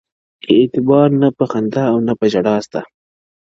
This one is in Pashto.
اعتبار نه په خندا نه په ژړا سته -